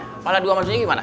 kepala dua maksudnya gimana